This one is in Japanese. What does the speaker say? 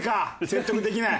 説得できない？